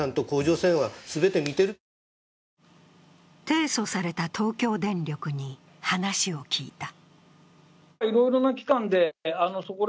提訴された東京電力に話を聞いた。